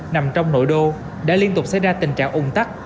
nằm trong nội đô đã liên tục xảy ra tình trạng ủng tắc